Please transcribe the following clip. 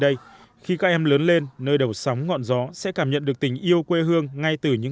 đây khi các em lớn lên nơi đầu sóng ngọn gió sẽ cảm nhận được tình yêu quê hương ngay từ những